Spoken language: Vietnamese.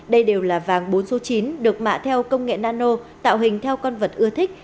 đây đều là vàng bốn số chín được mạ theo công nghệ nano tạo hình theo con vật ưa thích